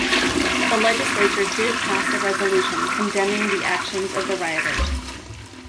The legislature did pass a resolution condemning the actions of the rioters.